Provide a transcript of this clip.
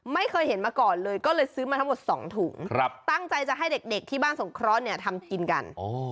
ไม่เคยเห็นมาก่อนเลยก็เลยซื้อมาถึงสองถุงตั้งใจจะให้เด็กที่บ้านสงครั้วทำกินกัน